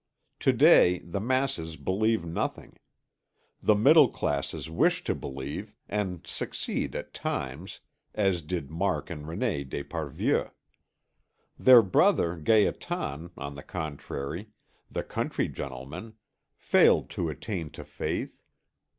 To day the masses believe nothing. The middle classes wish to believe, and succeed at times, as did Marc and René d'Esparvieu. Their brother Gaétan, on the contrary, the country gentleman, failed to attain to faith.